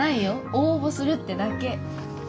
応募するってだけ。